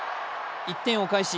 １点を返し